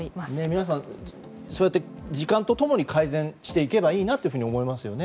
皆さん、そうやって時間と共に改善していけばいいなと思いますよね。